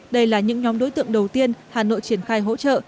đây là những nhóm đối tượng đầu tiên hà nội triển khai hỗ trợ